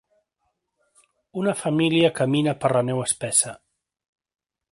Una família camina per la neu espessa.